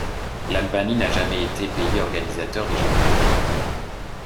L'Albanie n'a jamais été pays organisateur des Jeux olympiques.